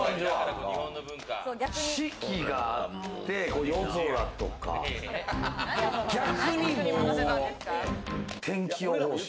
四季があって夜空とか、逆にもう天気予報士。